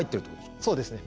そうですね。